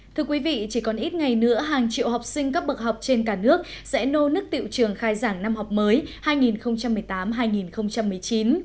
thưa quý vị chỉ còn ít ngày nữa hàng triệu học sinh cấp bậc học trên cả nước sẽ nô nức tiệu trường khai giảng năm học mới hai nghìn một mươi tám hai nghìn một mươi chín